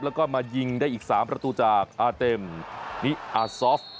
แล้วก็มายิงได้อีก๓ประตูจากอาเต็มนิอาซอฟ